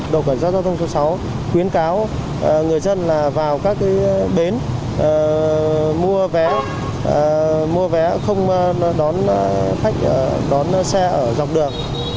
đội cảnh sát giao thông số sáu khuyến cáo người dân vào các bến mua vé không đón xe ở dọc đường